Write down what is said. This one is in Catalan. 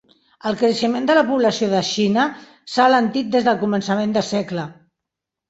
El creixement de la població de Xina s'ha alentit des del començament de segle.